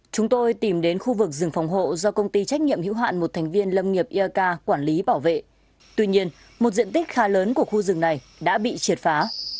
chúng tôi tìm đến khu vực rừng phòng hộ do công ty trách nhiệm hữu hạn một thành viên lâm nghiệp iak quản lý bảo vệ tuy nhiên một diện tích khá lớn của khu rừng này đã bị triệt phá